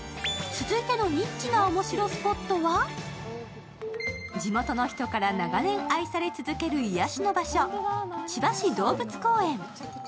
続いてのニッチな面白スポットは、地元の人から長年、愛され続ける癒やしの場所・千葉市動物公園。